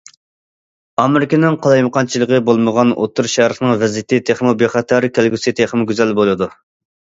ئامېرىكىنىڭ قالايمىقانچىلىقى بولمىغان ئوتتۇرا شەرقنىڭ ۋەزىيىتى تېخىمۇ بىخەتەر، كەلگۈسى تېخىمۇ گۈزەل بولىدۇ.